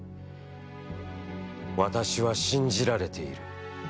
私は、信じられている。